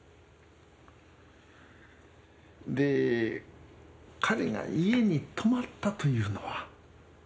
で彼が家に泊まったというのは？